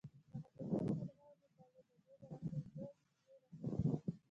هغه درېیم فرعون یې باله، د نېل رب النوع یې ورته ویل.